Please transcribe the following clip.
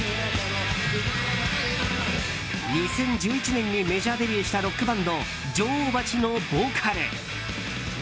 ２０１１年にメジャーデビューしたロックバンド女王蜂のボーカル。